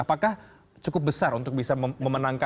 apakah cukup besar untuk bisa memenangkan